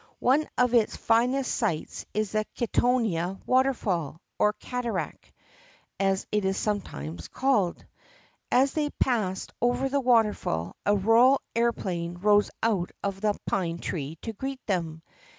One of its finest sights is the Kittonia Waterfall, or Cataract, as it is sometimes called. As they passed over the waterfall, a royal aeroplane rose out of a pine tree to greet them.